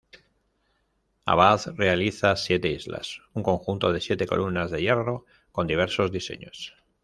Abad realiza "Siete Islas", un conjunto de siete columnas de hierro con diversos diseños.